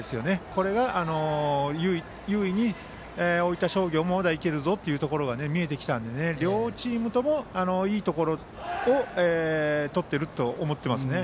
これで優位に、大分商業はまだいけるぞというところが見れたので両チームとも、いいところをとっていると思っています。